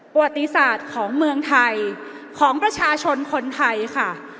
ประวัติศาสตร์ของเมืองไทยของประชาชนคนไทยค่ะ